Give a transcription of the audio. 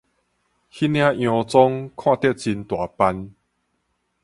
彼領洋裝看著真大範